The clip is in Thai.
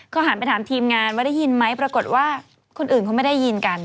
หันไปถามทีมงานว่าได้ยินไหมปรากฏว่าคนอื่นเขาไม่ได้ยินกัน